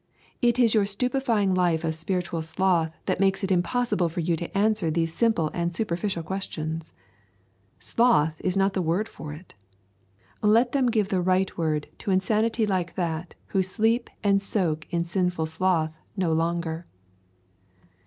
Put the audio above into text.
It is your stupefying life of spiritual sloth that makes it impossible for you to answer these simple and superficial questions. Sloth is not the word for it. Let them give the right word to insanity like that who sleep and soak in sinful sloth no longer.